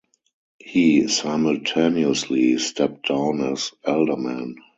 He simultaneously stepped down as alderman.